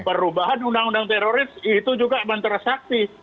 perubahan undang undang teroris itu juga mantra sakti